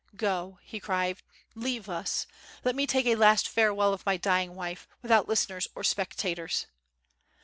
"Go!" he cried; "leave us! Let me take a last farewell of my dying wife, without listeners or spectators."